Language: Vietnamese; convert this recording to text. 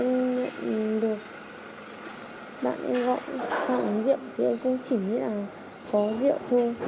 em đang ngủ bên được bạn em gọi cho ăn rượu thì em cũng chỉ nghĩ là có rượu thôi